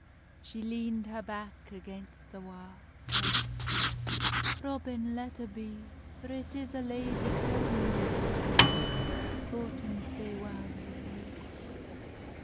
She leand her back against the wa, Says, "Robin, let a' be; For it is a lady born and bred That's foughten sae well wi thee."